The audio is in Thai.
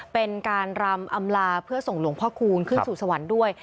เป็นการรำอำลาเพื่อส่งหลวงพ่อคูณขึ้นสู่สวรรค์ด้วย